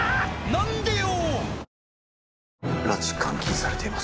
「何でよ⁉」